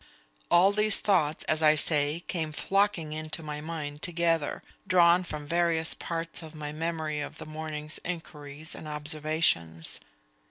All these thoughts, as I say, came flocking into my mind together, drawn from various parts of my memory of the morning's inquiries and observations.